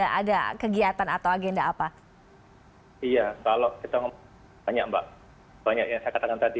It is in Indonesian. kalau kita banyak mbak banyak yang saya katakan tadi